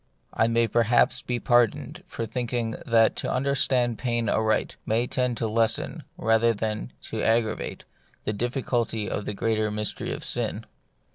I may perhaps be pardoned for thinking that to understand pain aright may tend to lessen, rather than to aggravate, the difficulty of the greater mystery of sin.